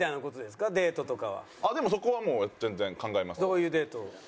どういうデート？